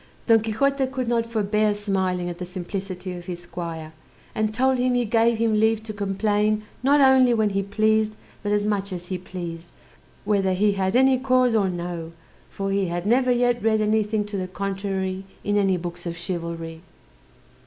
Don Quixote could not forbear smiling at the simplicity of his squire; and told him he gave him leave to complain not only when he pleased, but as much as he pleased, whether he had any cause or no; for he had never yet read anything to the contrary in any books of chivalry.